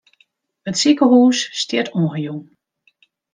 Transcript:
It sikehús stiet oanjûn.